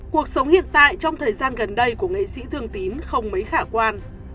cuộc sống hiện tại trong thời gian gần đây của nghệ sĩ thường tín không mấy khả quan